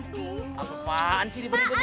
bu apa bapak ngapain pada situ aja jalan pak